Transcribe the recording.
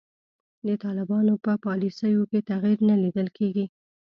د طالبانو په پالیسیو کې تغیر نه لیدل کیږي.